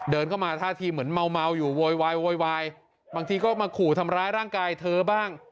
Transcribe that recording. เดินเข้ามาท่าทีเหมือนเมาอยู่โวยวายโวยวายบางทีก็มาขู่ทำร้ายร่างกายเธอบ้าง